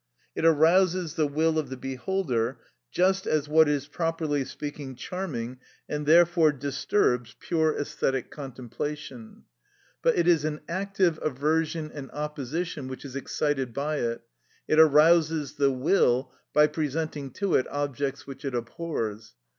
It arouses the will of the beholder, just as what is properly speaking charming, and therefore disturbs pure æsthetic contemplation. But it is an active aversion and opposition which is excited by it; it arouses the will by presenting to it objects which it abhors.